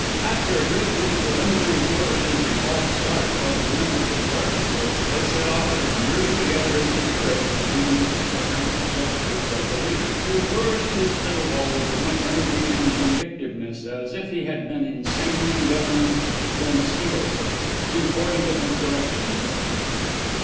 After a great many preliminary flourishes and false starts by the members of the orchestra, they set off as nearly together as they could, in obedience to the frantic gestures of the leader, who flourished his fiddle bow with as much energy and vindictiveness as if he had been insanely endeavoring to kill mosquitoes with it, in forty different directions at once.